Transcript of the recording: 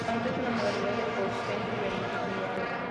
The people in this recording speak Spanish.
Por tanto, es una modalidad de coexistencia y beneficio mutuo.